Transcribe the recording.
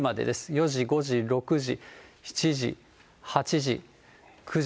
４時、５時、６時、７時、８時、９時。